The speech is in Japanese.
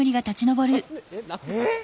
えっ！？